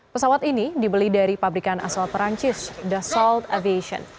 pesawat ini dibeli dari pabrikan asal perancis dassault aviation